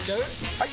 ・はい！